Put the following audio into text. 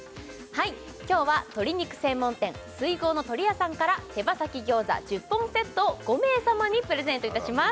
今日は鶏肉専門店水郷のとりやさんから手羽先餃子１０本セットを５名様にプレゼントいたします